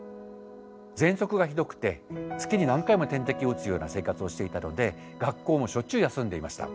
ぜんそくがひどくて月に何回も点滴を打つような生活をしていたので学校もしょっちゅう休んでいました。